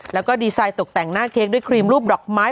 แล้วก็ดีไซน์ตกแต่งหน้าเค้กด้วยครีมรูปดอกไม้